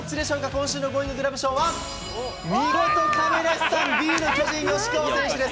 今週のゴーインググラブ賞は、見事、亀梨さん、Ｂの巨人、吉川選手です。